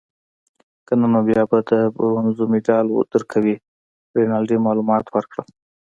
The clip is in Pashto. که نه نو بیا د برونزو مډال درکوي. رینالډي معلومات ورکړل.